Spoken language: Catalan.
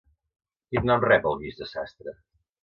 Quin nom rep el guix de sastre?